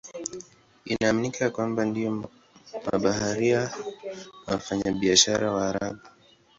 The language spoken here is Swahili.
Inaaminika ya kwamba ndio mabaharia na wafanyabiashara Waarabu.